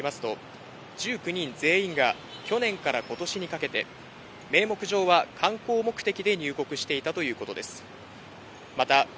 現地の警察当局によりますと１９人全員が去年から今年にかけて名目上は観光目的で入国していたということです。